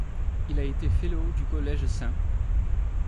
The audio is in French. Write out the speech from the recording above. Il a été Fellow du Collège St.